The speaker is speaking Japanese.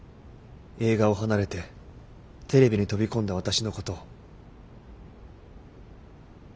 映画を離れてテレビに飛び込んだ私のことを。